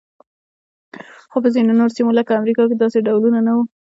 خو په ځینو نورو سیمو لکه امریکا کې داسې ډولونه نه وو.